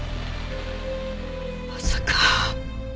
まさか。